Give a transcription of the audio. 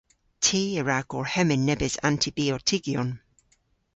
Ty a wra gorhemmyn nebes antibiotygyon.